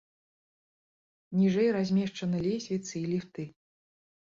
Ніжэй размешчаны лесвіцы і ліфты.